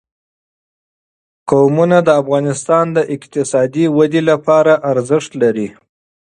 قومونه د افغانستان د اقتصادي ودې لپاره ارزښت لري.